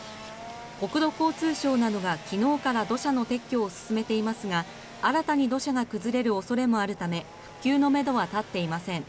国土交通省などが昨日から土砂の撤去を進めていますが新たに土砂が崩れる恐れもあるため復旧のめどはたっていません。